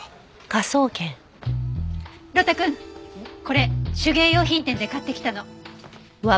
これ手芸用品店で買ってきたの。